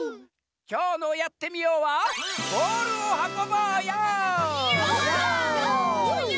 きょうの「やってみＹｏ！」はＹｏ！